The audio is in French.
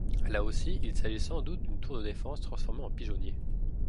Là aussi, il s'agit sans doute d'une tour de défense transformée en pigeonnier.